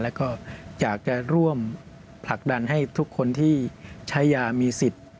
แล้วก็อยากจะร่วมผลักดันให้ทุกคนที่ใช้ยามีสิทธิ์